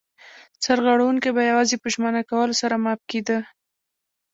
سرغړونکی به یوازې په ژمنه کولو سره معاف کېده.